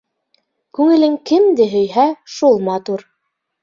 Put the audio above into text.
Күңелең кемде һөйһә, шул матур.